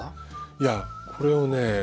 いやこれをね